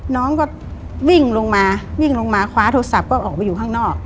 น้องก็วิ่งลงมาวิ่งลงมาคว้าโทรศัพท์ก็ออกไปอยู่ข้างนอก